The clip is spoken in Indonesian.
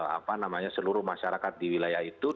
apa namanya seluruh masyarakat di wilayah itu